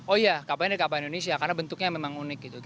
oh iya kapal ini dari kapal indonesia karena bentuknya memang unik